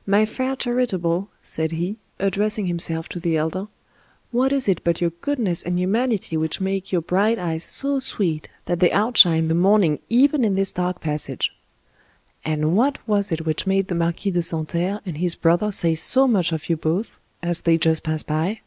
" My fair charitable," said he, addressing himself to the elder, " what is it but your goodness and humanity which make your bright eyes so sweet that they outshine the morn ing even in this dark passage? And what was it which made the Marquis de Santerre and his brother say so much of you both, as they just passed by